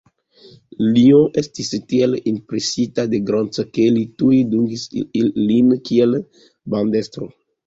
Lion estis tiel impresita de Grant, ke li tuj dungis lin kiel bandestro.